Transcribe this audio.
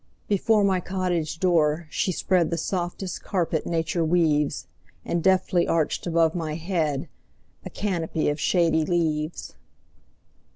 Before my cottage door she spreadThe softest carpet nature weaves, And deftly arched above my headA canopy of shady leaves.